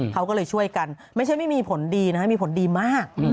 เขาก็เลยช่วยกันไม่ใช่ไม่มีผลดีนะฮะมีผลดีมาก